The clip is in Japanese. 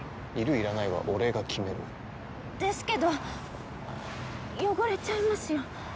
いらないは俺が決めるですけど汚れちゃいますよ